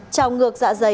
chào ngược dạ dày